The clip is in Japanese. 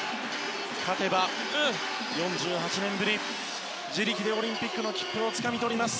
勝てば、４８年ぶり自力でオリンピックの切符をつかみ取ります。